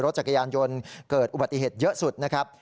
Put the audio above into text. รถจักรยานยนต์เกิดอุบัติเหตุเยอะสุดนะครับ